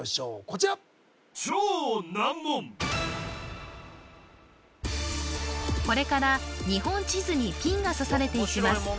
こちらこれから日本地図にピンが刺されていきます